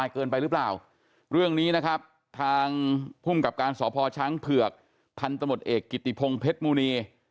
คุมกับการศพชเผือกพรรณฑนตนตนอดเอกกิติพงพฤทธิ์มูรี